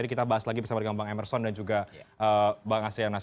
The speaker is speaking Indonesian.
kita bahas lagi bersama dengan bang emerson dan juga bang asri anas